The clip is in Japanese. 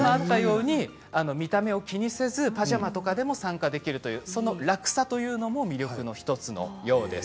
見た目を気にせずパジャマとかでも参加できるというその楽さというのも魅力の１つのようです。